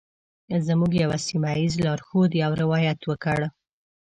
زموږ یوه سیمه ایز لارښود یو روایت وکړ.